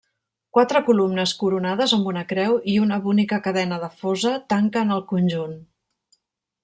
Quatre columnes coronades amb una creu i una bonica cadena de fosa tanquen el conjunt.